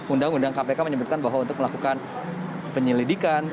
undang undang kpk menyebutkan bahwa untuk melakukan penyelidikan